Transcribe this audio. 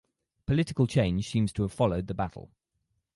Political change seems to have followed the battle.